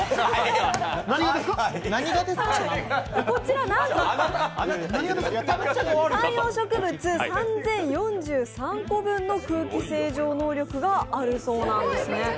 こちらなんと海洋植物３０４３個分の空気清浄能力があるそうなんですね。